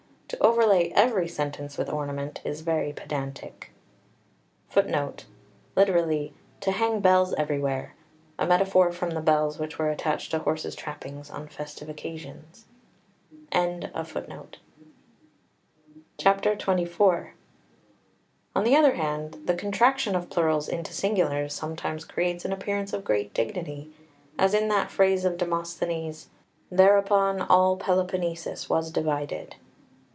To overlay every sentence with ornament is very pedantic. [Footnote 2: Menex. 245, D.] [Footnote 3: Lit. "To hang bells everywhere," a metaphor from the bells which were attached to horses' trappings on festive occasions.] XXIV On the other hand, the contraction of plurals into singulars sometimes creates an appearance of great dignity; as in that phrase of Demosthenes: "Thereupon all Peloponnesus was divided."